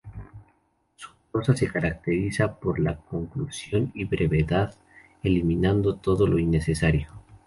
Su prosa se caracteriza por la concisión y brevedad, eliminando todo lo innecesario.